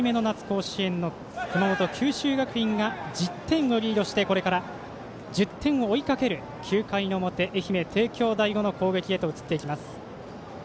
甲子園の熊本、九州学院が１０点をリードしてこれから１０点を追いかける９回の表愛媛、帝京第五の攻撃へと移っていきます。